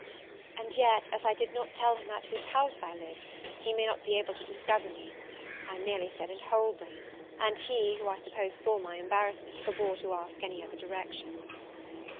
And yet, as I did not tell him at whose house I lived, he may not be able to discover me; I merely said in Holborn; and he, who I suppose saw my embarrassment, forbore to ask any other direction.